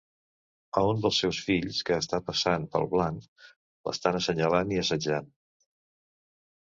A un dels seus fills, que està "passant" pel blanc, l'estan assenyalant i assetjant.